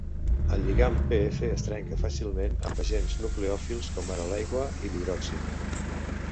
El lligam P-F es trenca fàcilment amb agents nucleòfils, com ara l'aigua i l'hidròxid.